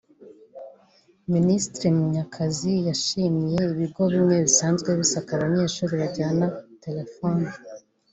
Minisitiri Munyakazi yashimiye ibigo bimwe bisanzwe bisaka abanyeshuri bajyana telefoni